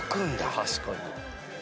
確かに。